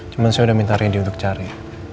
cuma saya udah minta rendy untuk cari